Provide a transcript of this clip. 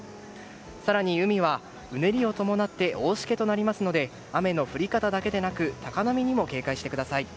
更に海はうねりを伴って大しけとなりますので雨の降り方だけでなく高波にも警戒してください。